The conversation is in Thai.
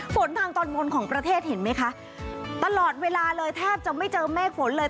ทางตอนบนของประเทศเห็นไหมคะตลอดเวลาเลยแทบจะไม่เจอเมฆฝนเลย